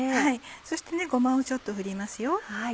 そしてごまをちょっと振りますよ。